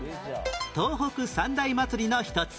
東北三大祭りの一つ